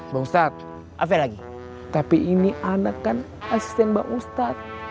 bang ustaz tapi ini anak kan asisten bang ustaz